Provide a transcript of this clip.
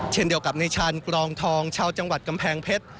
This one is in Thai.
เช่นเดียวกับในชาญกรองทองชาวจังหวัดกำแพงเพชร